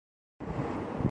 یہ مسئلہ بحث طلب نہیں۔